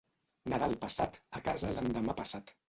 Nadal passat, a casa l'endemà passat.